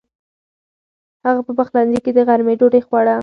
هغه په پخلنځي کې د غرمې ډوډۍ خوړه.